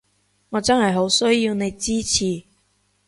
我真係好需要你支持